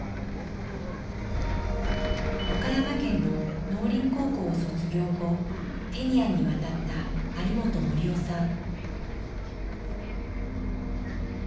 岡山県の農林高校を卒業後テニアンに渡った有元盛男さん。